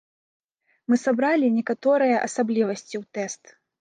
Мы сабралі некаторыя асаблівасці ў тэст.